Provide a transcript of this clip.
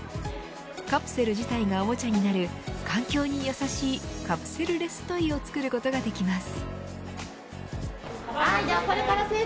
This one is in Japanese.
カプセル自体がおもちゃになる環境にやさしいカプセルレストイを作ることができます。